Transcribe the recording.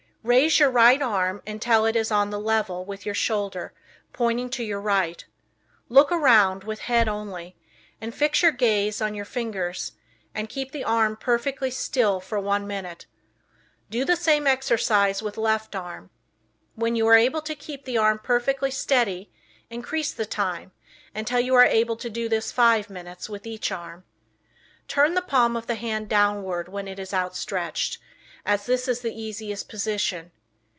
Raise your right arm until it is on the level with your shoulder, pointing to your right. Look around, with head only, and fix your gaze on your fingers, and keep the arm perfectly still for one minute. Do the same exercise with left arm. When you are able to keep the arm perfectly steady, increase the time until you are able to do this five minutes with each arm. Turn the palm of the hand downward when it is outstretched, as this is the easiest position.